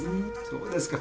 そうですか。